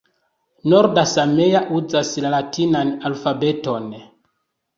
Norda samea uzas la latinan alfabeton.